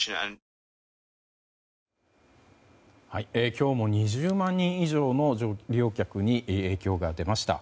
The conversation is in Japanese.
今日も２０万人以上の利用客に影響が出ました。